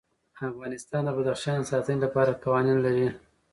افغانستان د بدخشان د ساتنې لپاره قوانین لري.